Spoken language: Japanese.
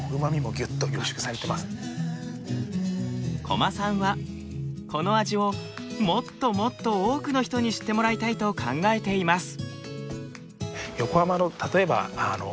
小間さんはこの味をもっともっと多くの人に知ってもらいたいと考えています。